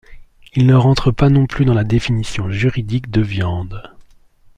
Il ne rentre pas non plus dans la définition juridique de viande.